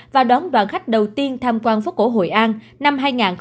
và đón đoàn khách đầu tiên tham quan phố cổ hội an năm hai nghìn hai mươi bốn